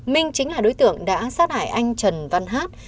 minh chính là đối tượng đã sát hại anh trần văn hát